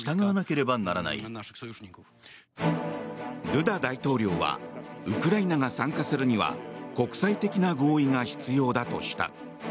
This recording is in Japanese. ドゥダ大統領はウクライナが参加するには国際的な合意が必要だとした。